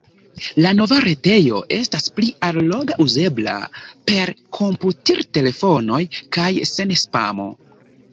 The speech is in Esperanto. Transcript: La nova retejo estas pli alloga, uzebla per komputiltelefonoj kaj sen spamo!